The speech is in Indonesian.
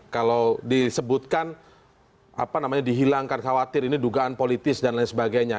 kalau disebutkan apa namanya dihilangkan khawatir ini dugaan politis dan lain sebagainya